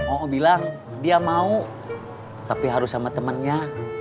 oh bilang dia mau tapi harus sama temannya